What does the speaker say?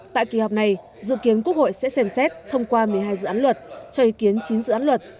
tại kỳ họp này dự kiến quốc hội sẽ xem xét thông qua một mươi hai dự án luật cho ý kiến chín dự án luật